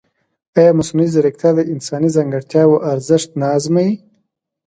ایا مصنوعي ځیرکتیا د انساني ځانګړتیاوو ارزښت نه ازموي؟